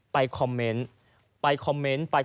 ไปคอมเมนต์